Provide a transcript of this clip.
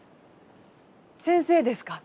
先生ですか？